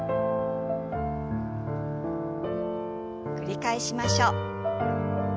繰り返しましょう。